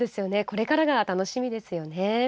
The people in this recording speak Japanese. これからが楽しみですよね。